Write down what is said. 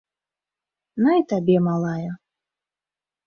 На і табе, малая.